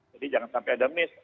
jadi jangan sampai ada miss